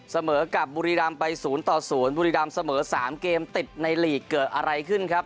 เสมอกับบุรีรามไปศูนย์ต่อศูนย์บุรีรามเสมอสามเกมติดในลีกเกิดอะไรขึ้นครับ